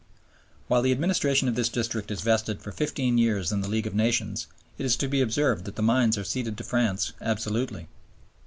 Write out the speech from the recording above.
" While the administration of this district is vested for fifteen years in the League of Nations, it is to be observed that the mines are ceded to France absolutely.